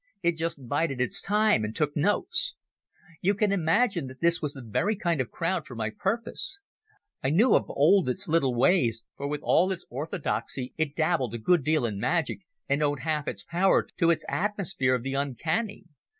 It just bided its time and took notes. "You can imagine that this was the very kind of crowd for my purpose. I knew of old its little ways, for with all its orthodoxy it dabbled a good deal in magic, and owed half its power to its atmosphere of the uncanny.